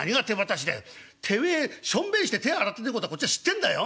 てめえしょんべんして手ぇ洗ってねえことはこっちは知ってんだよ。